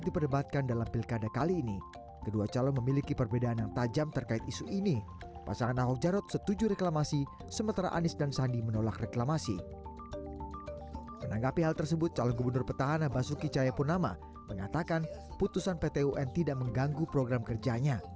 pada saat terakhir di hal tersebut calon gubernur petahana basuki caya punama mengatakan putusan pt un tidak mengganggu program kerjanya